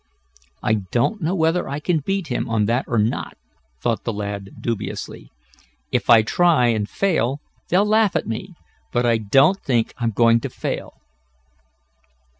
"I don't know whether I can beat him on that or not," thought the lad dubiously. "If I try, and fail, they'll laugh at me. But I don't think I'm going to fail."